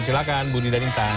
silahkan budi dan intan